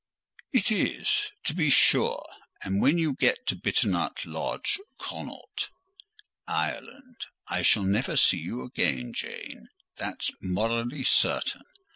"It is, to be sure; and when you get to Bitternutt Lodge, Connaught, Ireland, I shall never see you again, Jane: that's morally certain.